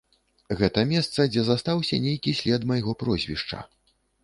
Гэта месца, дзе застаўся нейкі след майго прозвішча.